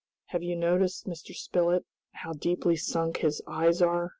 "Have you noticed, Mr. Spilett, how deeply sunk his eyes are?"